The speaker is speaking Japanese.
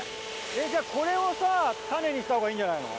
じゃあ、これを種にしたほうがいいんじゃないの？